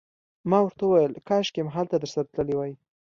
ما ورته وویل: کاشکي همالته درسره تللی وای.